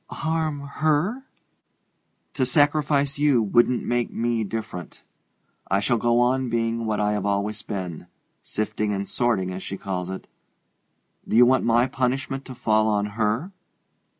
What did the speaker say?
"Harm her?" "To sacrifice you wouldn't make me different. I shall go on being what I have always been sifting and sorting, as she calls it. Do you want my punishment to fall on _her?